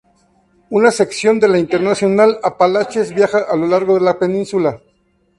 Una sección de la Internacional Apalaches viaja a lo largo de la península.